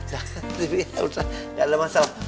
jangan dipikirin enggak ada masalah